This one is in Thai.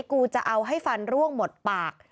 กูจะเอาให้ฟันร่วงหมดปาก